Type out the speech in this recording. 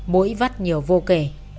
mỗi vắt nhiều vô kể